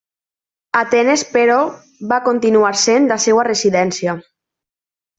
Atenes però, va continuar sent la seva residència.